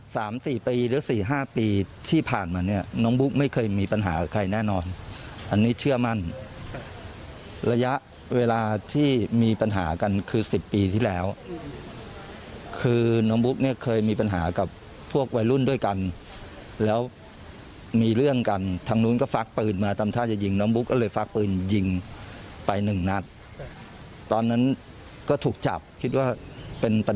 สามสี่ปีหรือสี่ห้าปีที่ผ่านมาเนี่ยน้องบุ๊กไม่เคยมีปัญหากับใครแน่นอนอันนี้เชื่อมั่นระยะเวลาที่มีปัญหากันคือสิบปีที่แล้วคือน้องบุ๊กเนี่ยเคยมีปัญหากับพวกวัยรุ่นด้วยกันแล้วมีเรื่องกันทางนู้นก็ฟักปืนมาทำท่าจะยิงน้องบุ๊กก็เลยฟักปืนยิงไปหนึ่งนัดตอนนั้นก็ถูกจับคิดว่าเป็นป